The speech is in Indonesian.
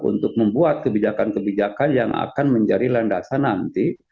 untuk membuat kebijakan kebijakan yang akan menjadi landasan nanti